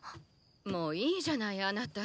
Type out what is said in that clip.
もういいじゃないあなた。